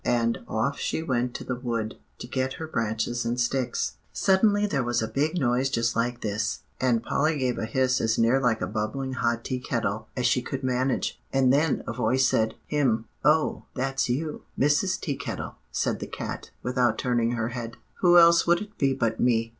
And off she went to the wood to get her branches and sticks. [Illustration: "Mind the house, now," she said to the cat.] "Suddenly there was a big noise just like this," and Polly gave a hiss as near like a bubbling hot tea kettle as she could manage, "and then a voice said 'Hem.' "'Oh! that's you, Mrs. Tea Kettle,' said the cat, without turning her head. "'Who else would it be but me?